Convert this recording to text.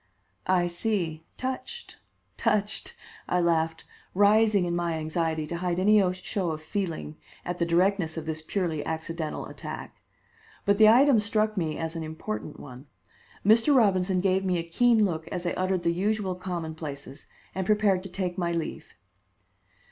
"I see; touched, touched!" I laughed, rising in my anxiety to hide any show of feeling at the directness of this purely accidental attack. But the item struck me as an important one. Mr. Robinson gave me a keen look as I uttered the usual commonplaces and prepared to take my leave.